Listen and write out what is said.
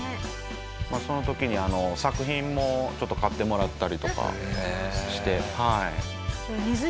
その時に作品もちょっと買ってもらったりとかして。